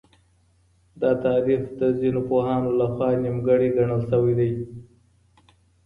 دا تعريف د ځينو پوهانو لخوا نيمګړی ګڼل سوی دی.